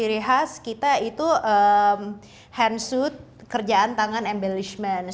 nah itu handsuit kerjaan tangan embellishment